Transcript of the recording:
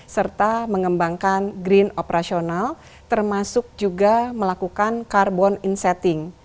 serta mengembangkan green operational termasuk juga melakukan carbon insetting